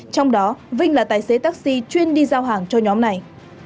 trong đó vinh là tài xế taxi chuyên đi giao hàng cho nhóm này